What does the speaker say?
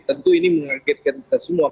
tentu ini mengagetkan kita semua